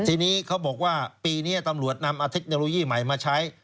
ทีนี้เขาบอกว่าปีนี้ตำรวจนำเอาเทคโนโลยีใหม่มาใช้